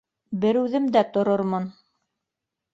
— Бер үҙем дә торормон